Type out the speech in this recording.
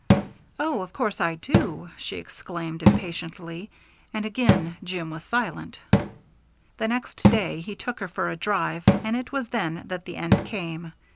"Oh, of course I do," she exclaimed impatiently, and again Jim was silent. The next day he took her for a drive and it was then that the end came.